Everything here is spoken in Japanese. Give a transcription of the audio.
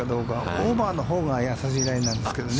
オーバーのほうが優しいラインなんですけどね。